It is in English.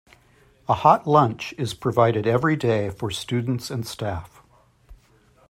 A hot lunch is provided everyday for students and staff.